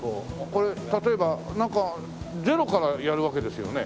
これ例えばゼロからやるわけですよね？